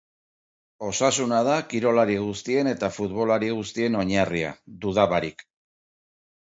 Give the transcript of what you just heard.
Osasuna da kirolari guztien eta futbolari guztien oinarria, duda barik.